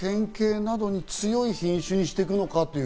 変形などに強い品種にしていくのか。